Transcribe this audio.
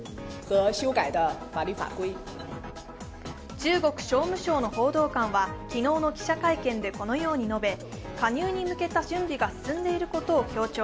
中国商務省の報道官は昨日の記者会見でこのように述べ加入に向けた準備が進んでいることを強調。